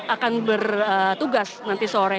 akan bertugas nanti sore